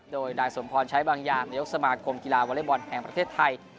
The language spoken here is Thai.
โดยนายสมพรใช้บางอย่างนายกสมาคมกีฬาวอเล็กบอลแห่งประเทศไทย